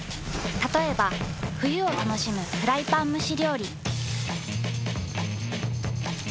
たとえば冬を楽しむフライパン蒸し料理。